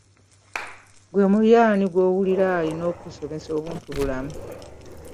Ggwe muli ani gw'owuli nti y'alina okukusomesa obuntubulamu?